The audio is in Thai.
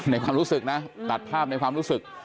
ความรู้สึกนะตัดภาพในความรู้สึก